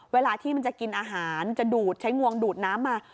เวลาที่มันจะกินอาหารจะดูดใช้งวงดูดน้ำมา